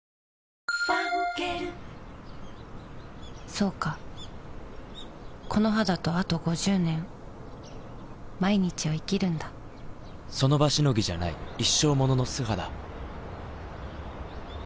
そうかこの肌とあと５０年その場しのぎじゃない一生ものの素肌